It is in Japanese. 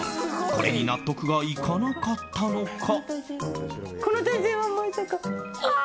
これに納得がいかなかったのか。